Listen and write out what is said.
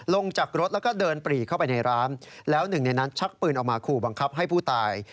ลงจากรถแล้วก็เดินปรีเข้าไปในร้านแล้วหนึ่งในนั้นชักปืนออกมาขู่บังคับให้ผู้ตาย